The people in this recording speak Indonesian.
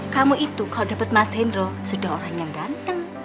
kamu itu kalau dapat mas hendro sudah orang yang ganteng